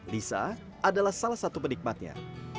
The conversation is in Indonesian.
lisa adalah salah satu penikmatnya